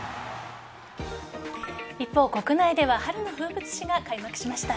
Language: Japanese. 一方、国内では春の風物詩が開幕しました。